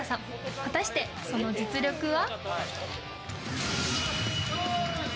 果たして、その実力は？